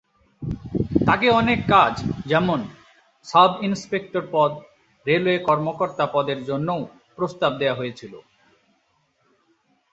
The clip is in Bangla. তাকে অনেক কাজ যেমন সাব ইনস্পেক্টর পদ, রেলওয়ে কর্মকর্তা পদের জন্যও প্রস্তাব দেয়া হয়েছিলো।